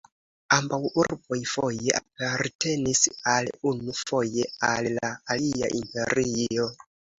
Ambaŭ urboj foje apartenis al unu, foje al la alia imperio.